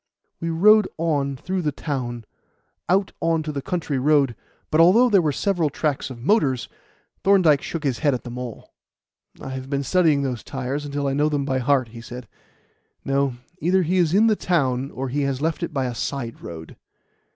We rode on through the town out on to the country road; but although there were several tracks of motors, Thorndyke shook his head at them all. "I have been studying those tyres until I know them by heart," he said. "No; either he is in the town, or he has left it by a side road."